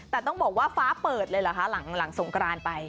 แต่ต้องบอกว่าฟ้าเปิดเลยเหรอคะหลังสงกรานไป